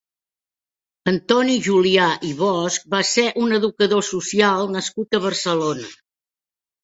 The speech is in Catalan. Antoni Julià i Bosch va ser un educador social nascut a Barcelona.